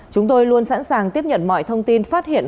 chúng tôi luôn sẵn sàng tiếp nhận mọi thông tin phát hiện